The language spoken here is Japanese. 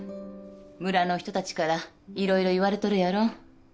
村の人たちから色々言われとるやろ？